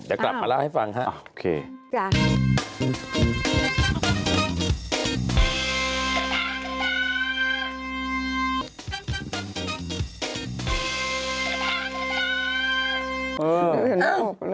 เดี๋ยวกลับมาเล่าให้ฟังค่ะ